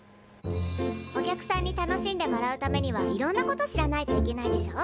お客さんに楽しんでもらうためにはいろんなこと知らないといけないでしょ？